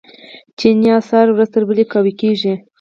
چیني اسعار ورځ تر بلې قوي کیږي.